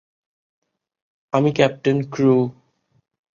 আমি ক্যাপ্টেন ক্রো।